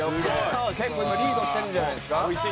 結構今リードしてるんじゃないですか。